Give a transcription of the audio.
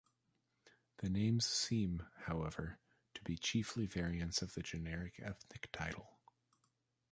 The names seem, however, to be chiefly variants of the general ethnic title.